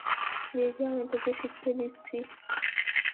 Baby, আমি তোকে শিখিয়ে দিচ্ছি।